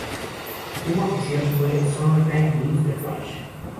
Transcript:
El tema oficial fue ""Summertime Blues"" de Rush